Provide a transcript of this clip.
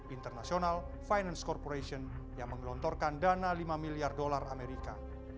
international finance corporation yang menggelontorkan dana lima miliar dolar amerika